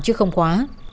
chứ không khóa